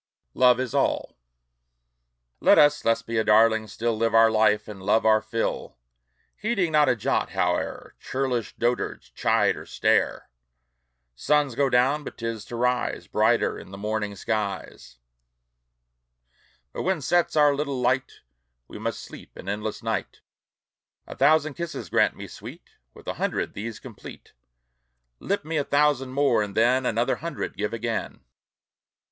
LOVE IS ALL Let us, Lesbia darling, still Live our life, and love our fill; Heeding not a jot, howe'er Churlish dotards chide or stare! Suns go down, but 'tis to rise Brighter in the morning skies; But when sets our little light, We must sleep in endless night. A thousand kisses grant me, sweet: With a hundred these complete; Lip me a thousand more, and then Another hundred give again.